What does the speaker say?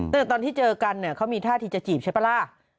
แต่ตอนที่เจอกันเขามีท่าที่จะจีบใช่เปล่า